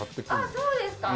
あっそうですか。